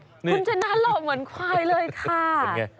คุณชนะหล่อเหมือนควายเลยค่ะ